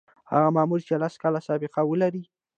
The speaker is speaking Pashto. هغه مامور چې لس کاله سابقه ولري.